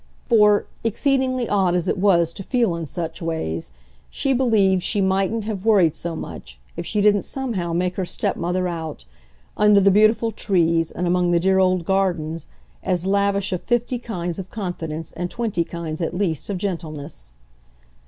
For, exceedingly odd as it was to feel in such ways, she believed she mightn't have worried so much if she didn't somehow make her stepmother out, under the beautiful trees and among the dear old gardens, as lavish of fifty kinds of confidence and twenty kinds, at least, of gentleness.